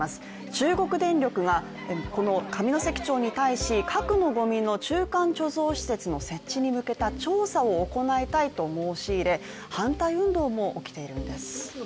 中国電力が上関町に対し核のごみの中間貯蔵施設の設置に向けた調査を行いたいと申し入れ、反対運動も起きているんです。